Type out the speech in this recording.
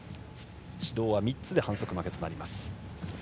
指導は３つで反則負けとなります。